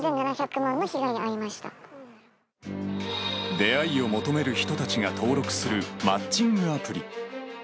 出会いを求める人たちが登録するマッチングアプリ。